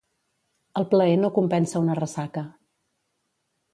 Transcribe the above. El plaer no compensa una ressaca.